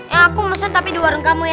eh aku pesen tapi di warung kamu ya